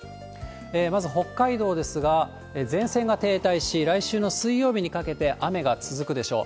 まず北海道ですが、前線が停滞し、来週の水曜日にかけて雨が続くでしょう。